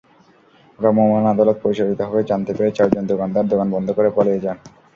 ভ্রাম্যমাণ আদালত পরিচালিত হবে জানতে পেরে চারজন দোকানদার দোকান বন্ধ করে পালিয়ে যান।